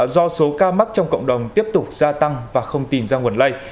do số ca mắc trong cộng đồng tiếp tục gia tăng và không tìm ra nguồn lây